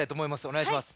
おねがいします。